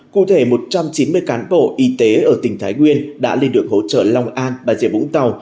cụ thể một trăm chín mươi cán bộ y tế ở tỉnh thái nguyên đã lây đường hỗ trợ long an bà rịa vũng tàu